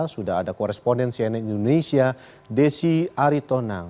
sudah ada korespondensi dari indonesia desi aritonang